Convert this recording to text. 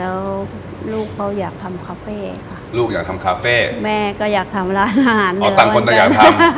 แล้วลูกเขาอยากทำคาเฟ่ค่ะลูกอยากทำคาเฟ่แม่ก็อยากทำร้านอาหารอ๋อต่างคนต่างอยากทำ